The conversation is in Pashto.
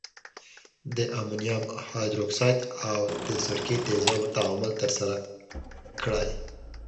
د امونیم هایدورکساید او د سرکې تیزابو تعامل ترسره کړئ.